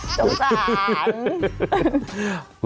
โอ้จำใจ